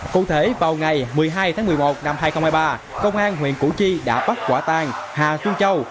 cụ thể vào ngày một mươi hai tháng một mươi một năm hai nghìn hai mươi ba công an huyện củ chi đã bắt quả tàng hà xuân châu